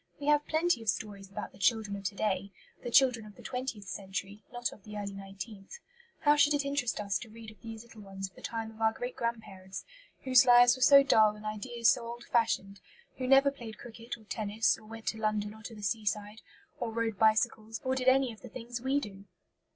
We have plenty of stories about the children of to day the children of the twentieth century, not of the early nineteenth. How should it interest us to read of these little ones of the time of our great grandparents, whose lives were so dull and ideas so old fashioned; who never played cricket or tennis, or went to London or to the seaside, or rode bicycles, or did any of the things we do?